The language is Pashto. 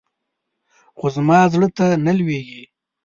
خو زما زړه ته نه لوېږي.